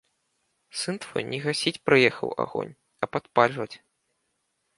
Сын твой не гасіць прыехаў агонь, а падпальваць.